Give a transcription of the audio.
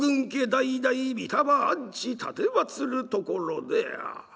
代々御霊安置奉る所である。